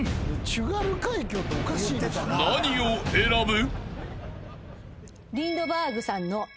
［何を選ぶ？］